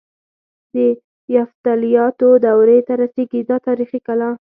د یفتلیانو دورې ته رسيږي دا تاریخي کلا.